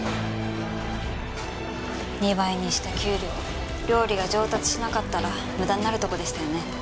２倍にした給料料理が上達しなかったら無駄になるとこでしたよね。